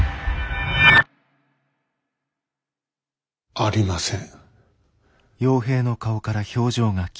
ありません。